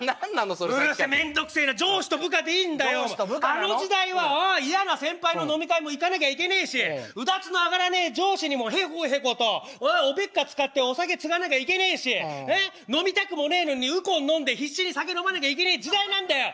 あの時代は嫌な先輩の飲み会も行かなきゃいけねえしうだつの上がらねえ上司にもへこへことおべっか使ってお酒つがなきゃいけねえし飲みたくもねえのにウコン飲んで必死に酒飲まなきゃいけねえ時代なんだよ！